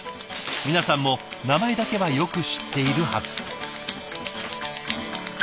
皆さんも名前だけはよく知っているはず。